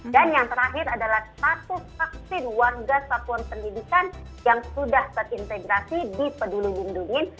dan yang terakhir adalah status vaksin warga satuan pendidikan yang sudah terintegrasi di pedulung dundungin